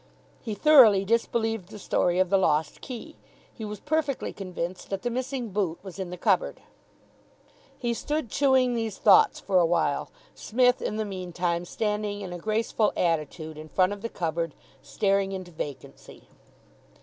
He thoroughly disbelieved the story of the lost key. He was perfectly convinced that the missing boot was in the cupboard. He stood chewing these thoughts for awhile, Psmith in the meantime standing in a graceful attitude in front of the cupboard, staring into vacancy.